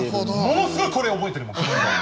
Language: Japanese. ものすごいこれ覚えてるもん。